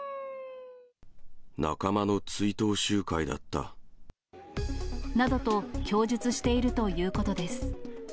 仲間の追悼集会だった。などと供述しているということです。